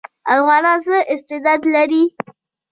افغانان څه استعداد لري؟